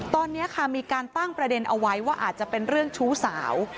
ตอนนี้ค่ะมีการตั้งประเด็นเอาไว้ว่าอาจจะเป็นเรื่องชู้สาว